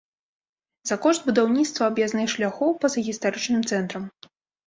За кошт будаўніцтва аб'яздных шляхоў па-за гістарычным цэнтрам.